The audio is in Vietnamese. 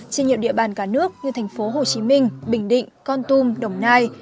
trên nhiều địa bàn cả nước như thành phố hồ chí minh bình định con tum đồng nai